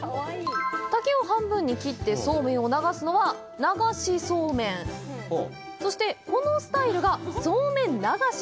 竹を半分に切ってそうめんを流すのは「流しそうめん」でこのスタイルが「そうめん流し」！